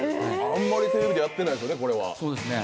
あんまりテレビではやってないですよね、これは。